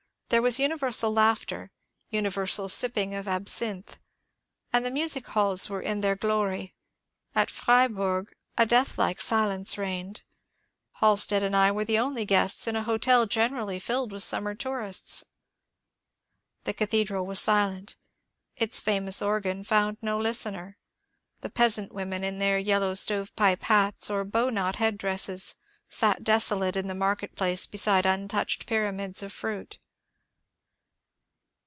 There was universal laughter, universal sipping of absinthe, and the music halls were in their glory. At Freiburg a deathlike silence reigned. Halstead and I were the only guests in a hotel generally filled with summer tourists. The cathedral was silent ; its famous organ found no listener ; the peasant women in their yellow stove pipe hats or bow knot headdresses sat desolate in the market place beside untouched pyramids of fruit.